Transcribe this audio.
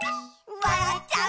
「わらっちゃう」